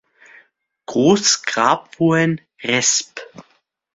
Groß Grabowen resp.